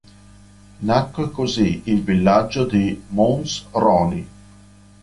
Nacque così il villaggio di "Mons Roni".